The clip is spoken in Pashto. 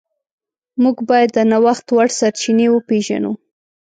موږ باید د نوښت وړ سرچینې وپیژنو.